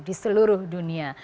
di seluruh dunia